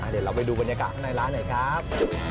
เดี๋ยวเราไปดูบรรยากาศข้างในร้านหน่อยครับ